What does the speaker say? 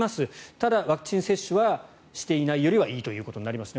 ただ、ワクチン接種はしていないよりはいいということになりますね。